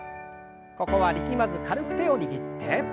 ここは力まず軽く手を握って。